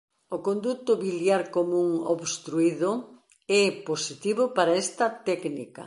O conduto biliar común obstruído é positivo para esta técnica.